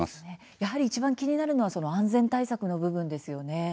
やはりいちばん気になるのは安全対策の部分ですよね。